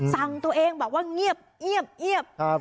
สั่งตัวเองบอกว่าเงียบเงียบเงียบ